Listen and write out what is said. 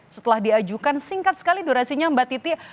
setelah diajukan singkat sekali durasinya mbak titi